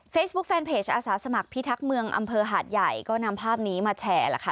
แฟนเพจอาสาสมัครพิทักษ์เมืองอำเภอหาดใหญ่ก็นำภาพนี้มาแชร์ล่ะค่ะ